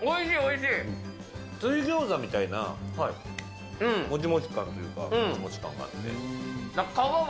水ギョーザみたいなもちもち感というか、もちもち感があって。